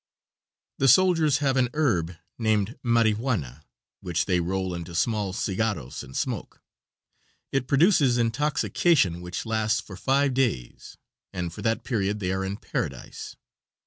The soldiers have an herb named marijuana, which they roll into small cigaros and smoke. It produces intoxication which lasts for five days, and for that period they are in paradise.